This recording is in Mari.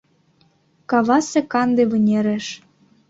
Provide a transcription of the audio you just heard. Кавасе канде вынереш